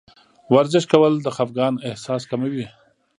ورزش کول د خفګان احساس کموي.